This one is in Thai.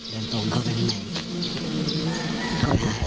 เดินตรงเข้าไปข้างใน